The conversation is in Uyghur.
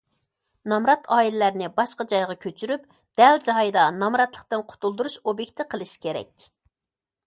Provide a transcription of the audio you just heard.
نامرات ئائىلىلەرنى باشقا جايغا كۆچۈرۈپ دەل جايىدا نامراتلىقتىن قۇتۇلدۇرۇش ئوبيېكتى قىلىش كېرەك.